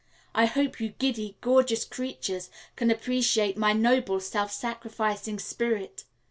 I hope you giddy, gorgeous creatures can appreciate my noble, self sacrificing spirit.